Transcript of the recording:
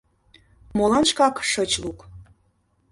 — Молан шкак шыч лук?